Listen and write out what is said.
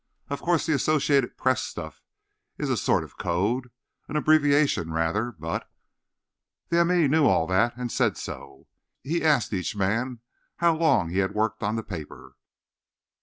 Of course the Associated Press stuff is a sort of code—an abbreviation, rather—but— The m. e. knew all that, and said so. He asked each man how long he had worked on the paper.